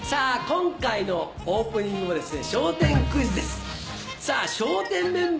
今回のオープニングはですね。